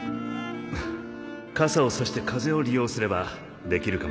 傘を差して風を利用すればできるかも